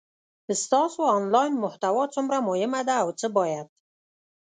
ستاسو انلاین محتوا څومره مهمه ده او څه باید